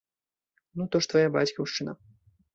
Ну, то ж твая бацькаўшчына.